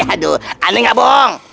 aduh aneh gak boong